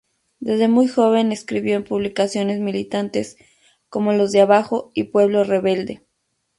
Desde muy joven escribió en publicaciones militantes, como "Los de Abajo" y "Pueblo Rebelde".